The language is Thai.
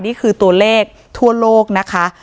นี่คือตัวเลขทั่วโลกนะคะ